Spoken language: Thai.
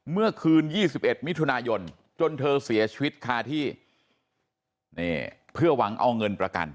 เมื่อคืน๒๑มิถุนายนจนเธอเสียชีวิตคาที่เพื่อหวังเอาเงินประกัน